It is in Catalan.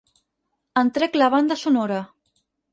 En trec la banda sonora.